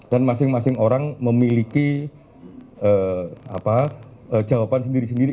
dan masing masing orang memiliki jawaban sendiri sendiri